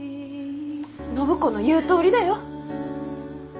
暢子の言うとおりだよ。